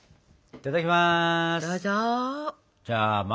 いただきます。